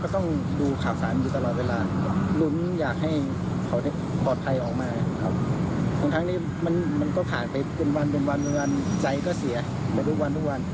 ทุกทางนี้มันก็ขาดไปวันใจก็เสียไปวัน